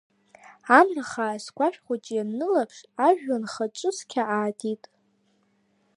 Амра хаа сгәашә хәыҷ ианнылаԥш, ажәҩан хаҿы цқьа аатит.